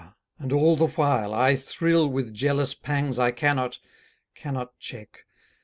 and all the while I thrill With jealous pangs I cannot, cannot check.